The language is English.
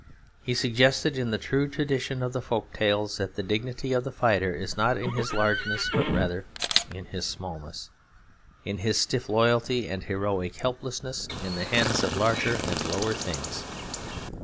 He suggested, in the true tradition of the folk tales, that the dignity of the fighter is not in his largeness but rather in his smallness, in his stiff loyalty and heroic helplessness in the hands of larger and lower things.